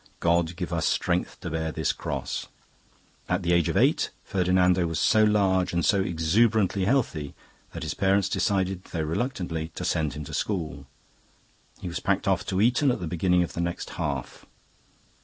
God give us strength to bear this cross.' "At the age of eight Ferdinando was so large and so exuberantly healthy that his parents decided, though reluctantly, to send him to school. He was packed off to Eton at the beginning of the next half.